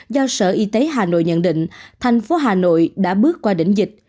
do sở y tế hà nội nhận định thành phố hà nội đã bước qua đỉnh dịch